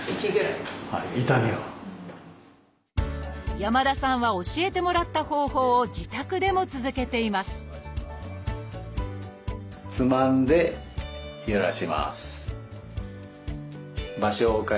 山田さんは教えてもらった方法を自宅でも続けていますつまんでゆらします。